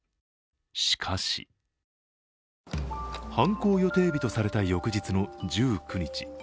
しかし犯行予定日とされた翌日の１９日。